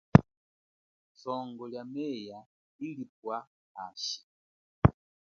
Songo lia meya ilipwa hashi.